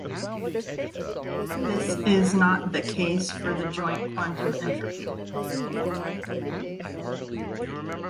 This is not the case for the joint quantum entropy.